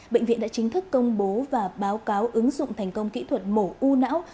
bệnh viện đã chính thức công bố và báo cáo ứng dụng thành công kỹ thuật mổ u não